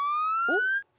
おっ？